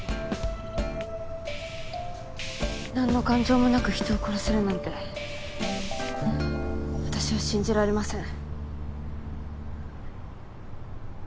何の感情もなく人を殺せるなんて私は信じられません。